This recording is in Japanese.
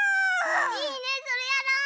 いいねそれやろう！